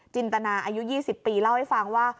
จินตนาอายุ๒๐ปีเล่าให้ฟังว่า